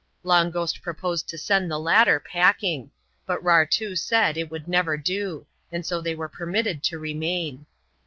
Long Ghost proposed to send the latter packing ; but Rartoo said it would never do, and so they were permitted to remain.